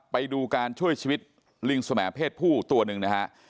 ไปดูการช่วยชีวิตลิงสมเพศผู้ตัวหนึ่งนะฮะ